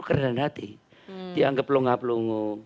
keren hati dianggap lho ngga pelungu